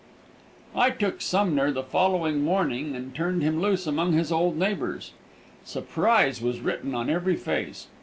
I took Sumner the following morning and turned him loose among his old neighbors. Surprise was written on every face.